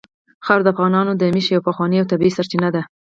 خاوره د افغانانو د معیشت یوه پخوانۍ او طبیعي سرچینه ده.